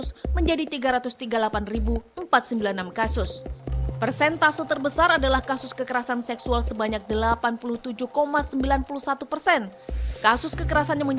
saya tetap tidak berkenan